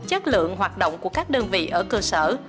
chất lượng hoạt động của các đơn vị ở cơ sở